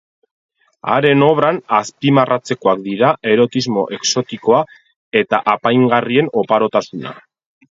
Haren obran azpimarratzekoak dira erotismo exotikoa eta apaingarrien oparotasuna.